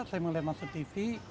dua ribu tiga saya melihat master tv